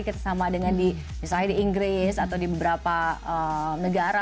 kita sama dengan di misalnya di inggris atau di beberapa negara